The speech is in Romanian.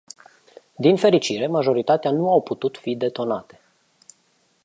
Din fericire, majoritatea nu au putut fi detonate.